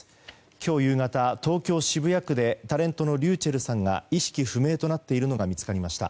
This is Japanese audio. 今日夕方、東京・渋谷区でタレントのｒｙｕｃｈｅｌｌさんが意識不明となっているのが見つかりました。